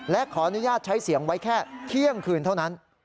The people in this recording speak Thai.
และขออนุญาตใช้เสียงไว้แค่เที่ยงคืนเท่านั้น